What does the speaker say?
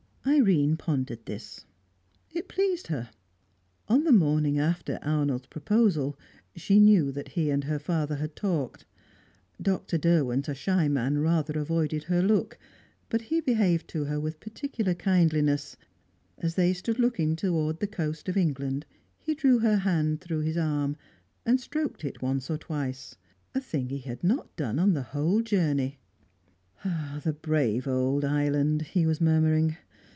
Irene pondered this. It pleased her. On the morning after Arnold's proposal, she knew that he and her father had talked. Dr. Derwent, a shy man, rather avoided her look; but he behaved to her with particular kindliness; as they stood looking towards the coast of England, he drew her hand through his arm, and stroked it once or twice a thing he had not done on the whole journey. "The brave old island!" he was murmuring.